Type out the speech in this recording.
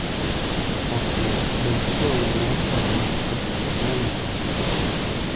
Franchement, même toi ou moi avons un spectre moins limpide.